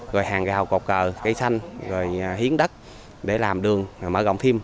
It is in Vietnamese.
rồi hàng gào cọc cờ cây xanh rồi hiến đất để làm đường mở gọng phim